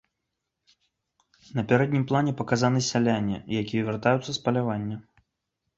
На пярэднім плане паказаны сяляне, якія вяртаюцца з палявання.